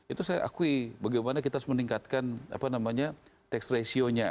itu saya akui bagaimana kita harus meningkatkan tax ratio nya